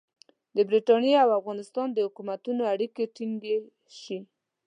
د برټانیې او افغانستان د حکومتونو اړیکې ټینګې شي.